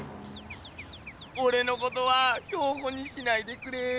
おれのことは標本にしないでくれぇ。